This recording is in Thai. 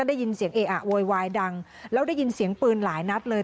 ได้ยินเสียงเออะโวยวายดังแล้วได้ยินเสียงปืนหลายนัดเลย